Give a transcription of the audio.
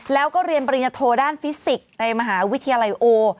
แล้วก็เรียนปริญญโทด้านฟิสิกส์ในมหาวิทยาลัยโอ